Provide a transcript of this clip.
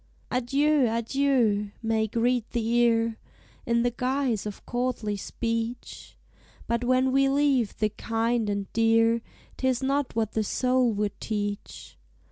"Adieu! adieu!" may greet the ear, In the guise of courtly speech: But when we leave the kind and dear, 'Tis not what the soul would teach.